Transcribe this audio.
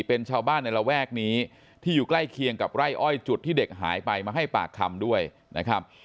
เป็นชาวบ้านในระแวกนี้ที่อยู่ใกล้เคียงกับไร่อ้อยจุดที่เด็กหายไปมาให้ปากคำด้วยนะครับ